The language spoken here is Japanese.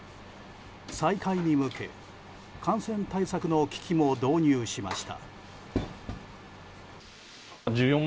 再開に向け、感染対策の機器も導入しました。